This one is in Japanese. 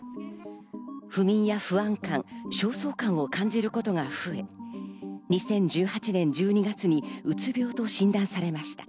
不眠や不安感、焦燥感を感じることが増え、２０１８年１２月にうつ病と診断されました。